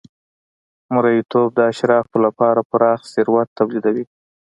مریتوب د اشرافو لپاره پراخ ثروت تولیدوي.